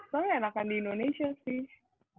soalnya enakan di indonesia sih